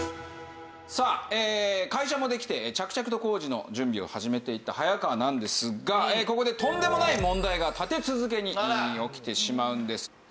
さあ会社もできて着々と工事の準備を始めていった早川なんですがここでとんでもない問題が立て続けに起きてしまうんです。